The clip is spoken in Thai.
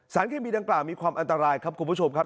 เคมีดังกล่าวมีความอันตรายครับคุณผู้ชมครับ